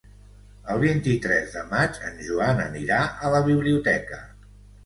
El vint-i-tres de maig en Joan anirà a la biblioteca.